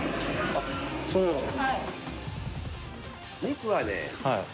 あっそうなんだ。